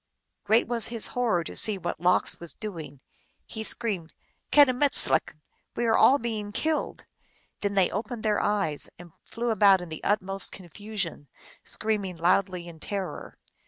Great was his horror to see what Lox was doing ! He screamed, " Kedumed^lk !" "We are all being killed !" Then they opened their eyes, and flew about in the utmost confusion, screaming loudly in terror.